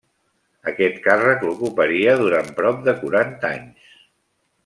Aquest càrrec l'ocuparia durant prop de quaranta anys.